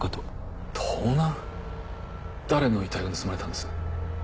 誰の遺体が盗まれたんです？